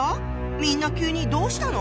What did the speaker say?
みんな急にどうしたの？